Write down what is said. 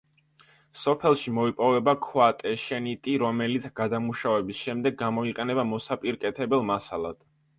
სოფელში მოიპოვება ქვა ტეშენიტი, რომელიც გადამუშავების შემდეგ გამოიყენება მოსაპირკეთებელ მასალად.